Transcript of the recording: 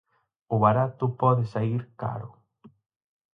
O barato pode saír caro.